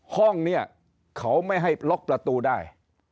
ห้องเขาไม่ให้ลงประตูได้